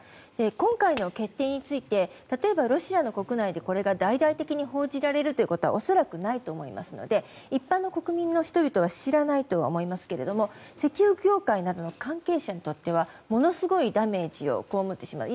今回の決定について例えばロシアの国内でこれが大々的に報じられるということは恐らくないと思いますので一般の国民は知らないと思いますけど石油業界などの関係者にとってはものすごいダメージを被ってしまう。